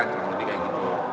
kemudian kayak gitu